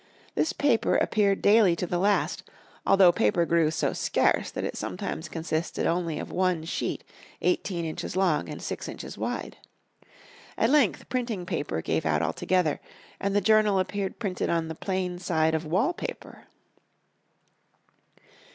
This paper appeared daily to the last, although paper grew so scarce that it sometimes consisted only of one sheet eighteen inches long and six inches wide. At length printing paper gave out altogether, and the journal appeared printed on the plain side of wall paper.